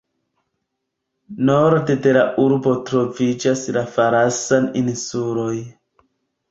Norde de la urbo troviĝas la Farasan-insuloj.